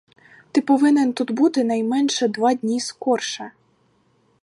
Ти повинен тут бути найменше два дні скорше.